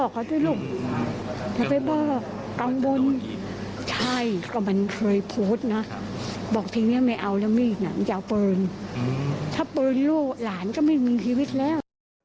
ถ้าปืนลูกหลานก็ไม่มีชีวิตแล้ว